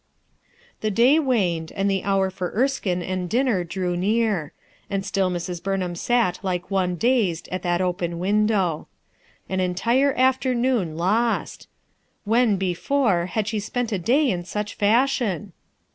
The day waned and the hour for Erskine and 162 RUTH ERSKINE'S SOX dinner drew near; and still Mrs. Burnham sat like one dazed at that open window An entire afternoon lost When, before, had she spent a day in such fashion